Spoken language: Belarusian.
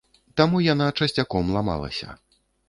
Таму яна часцяком ламалася.